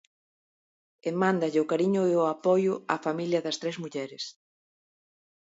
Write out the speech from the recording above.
E mándalle o cariño e o apoio á familia das tres mulleres.